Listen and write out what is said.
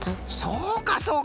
そうかそうか。